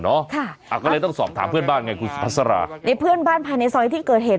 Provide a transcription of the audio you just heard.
ค่ะอ่ะก็เลยต้องสอบถามเพื่อนบ้านไงคุณสุภาษาในเพื่อนบ้านภายในซอยที่เกิดเหตุ